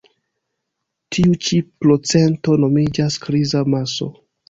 Tiu ĉi procento nomiĝas kriza maso.